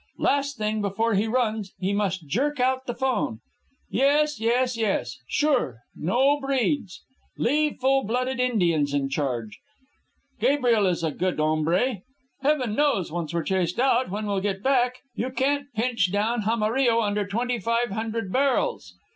Last thing before he runs, he must jerk out the 'phone.... Yes, yes, yes. Sure. No breeds. Leave full blooded Indians in charge. Gabriel is a good hombre. Heaven knows, once we're chased out, when we'll get back.... You can't pinch down Jaramillo under twenty five hundred barrels.